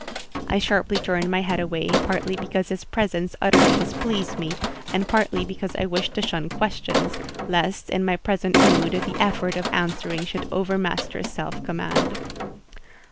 I sharply turned my head away, partly because his presence utterly displeased me, and partly because I wished to shun questions: lest, in my present mood, the effort of answering should overmaster self command.